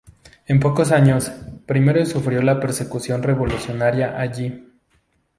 En pocos años, primero sufrió la persecución revolucionaria allí.